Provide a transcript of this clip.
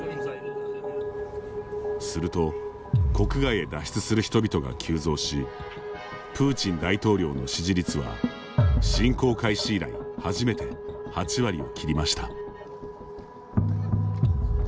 すると、国外へ脱出する人々が急増しプーチン大統領の支持率は侵攻開始以来初めて８割を切りました。